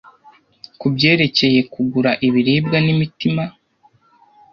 kubyerekeye kugura ibiribwa n'imitima